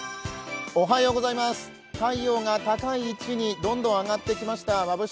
太陽が高い位置にどんどんあがってきました。